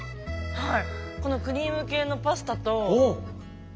はい。